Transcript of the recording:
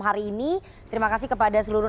hari ini terima kasih kepada seluruh